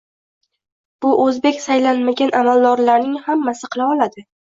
Bu o'zbek saylanmagan amaldorlarning hammasi qila oladi